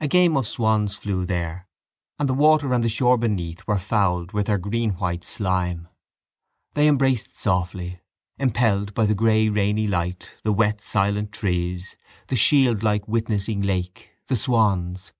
A game of swans flew there and the water and the shore beneath were fouled with their greenwhite slime. They embraced softly, impelled by the grey rainy light, the wet silent trees, the shieldlike witnessing lake, the swans.